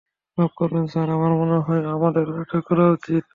মাফ করবেন স্যার, আমার মনে হয় আপনাদেরও এটা করা উচিত।